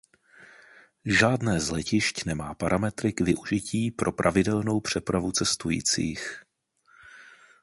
Žádné z letišť nemá parametry k využití pro pravidelnou přepravu cestujících.